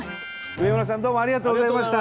植村さんどうもありがとうございました。